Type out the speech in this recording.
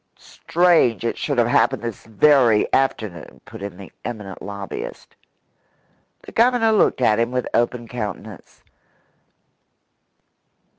"Strange it should have happened this very afternoon," put in the eminent lobbyist. The Governor looked at him with open countenance.